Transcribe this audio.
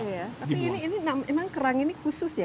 tapi ini memang kerang ini khusus ya